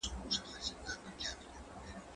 زه مخکي پلان جوړ کړی وو؟!